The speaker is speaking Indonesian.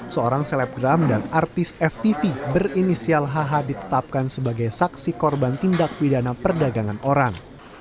seorang selebgram dan artis ftv berinisial hh ditetapkan sebagai saksi korban tindak pidana perdagangan orang